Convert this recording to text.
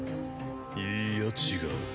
いいや違う。